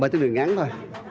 bay tới đường ngắn thôi